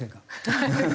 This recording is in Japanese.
はい。